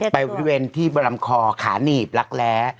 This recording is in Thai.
บริเวณที่บรรลำคอขาหนีบรักแร้